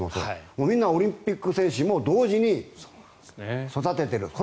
みんな、オリンピック選手も同時に育ててる。